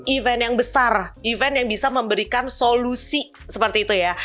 event yang besar event yang bisa memberikan solusi seperti itu ya